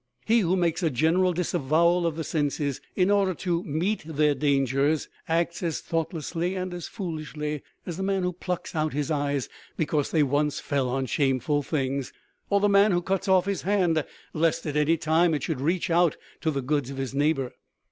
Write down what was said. He who makes a general disavowal of the senses in order to meet their dangers acts as thought lessly and as foolishly as the man who plucks out his eyes because they once fell on shameful things, or the man who cuts off his hand lest at any time it should reach out to the goods of his neighbor."